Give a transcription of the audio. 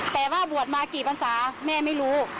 แต่ว่าบัวมากี่ภาษาแม่ไม่รู้